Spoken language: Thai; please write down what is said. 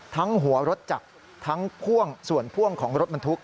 ทั้งหัวรถจักรทั้งพ่วงส่วนพ่วงของรถบรรทุก